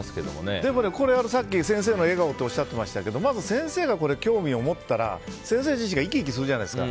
でもね、さっき先生の笑顔っておっしゃってましたけどまず先生が興味を持ったら先生自身が生き生きするじゃないですか。